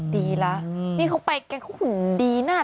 ดีแล้วนี่เขาไปแกเขาหุ่นดีนะ